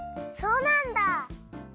そうなんだ！